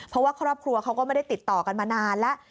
เพราะว่าครอบครัวเขาก็ไม่ได้ติดต่อกันมานานแล้ว